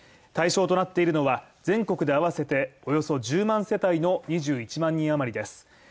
対象となっているのは全国で合わせておよそ１０万世帯の２１万人余りです。